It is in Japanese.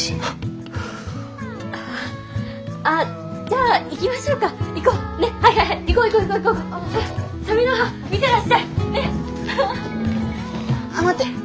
あっ待って。